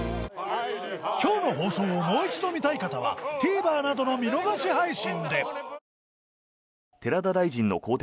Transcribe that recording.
今日の放送をもう一度見たい方は ＴＶｅｒ などの見逃し配信で